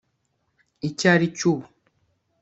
icyo ari cyo ubu